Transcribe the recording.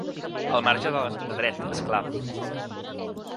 Al marge de l’estat de dret, és clar.